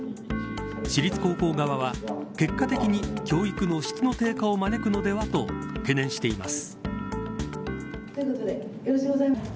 私立高校側は結果的に、教育の質の低下を招くのではと懸念しています。